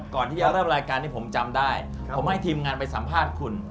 ก่อนที่จะเริ่มรายการที่ผมจำได้ผมให้ทีมงานไปสัมภาษณ์คุณ